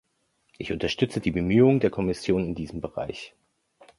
Ich unterstütze die Bemühungen der Kommission in diesem Bereich.